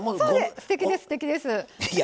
すてきです、すてきです。